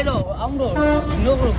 rồi xuống ống rồi